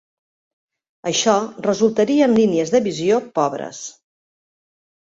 Això resultaria en línies de visió pobres.